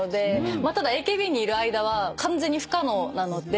ただＡＫＢにいる間は完全に不可能なので。